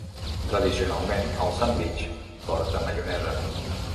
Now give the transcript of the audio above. Tradicionalment el sandvitx porta maionesa.